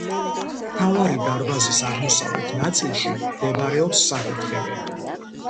მთავარი დარბაზის აღმოსავლეთ ნაწილში მდებარეობს საკურთხეველი.